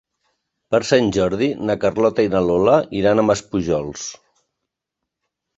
Per Sant Jordi na Carlota i na Lola iran a Maspujols.